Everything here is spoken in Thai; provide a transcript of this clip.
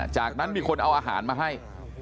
จากนั้นมีคนเอาอาหารมาให้